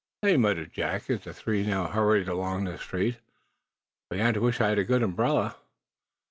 "Say," muttered Jack, as the three now hurried along the street, "I begin to wish I had a good umbrella."